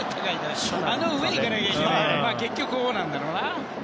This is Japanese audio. あの上に蹴らなきゃいけないから結局、こうなんだろうな。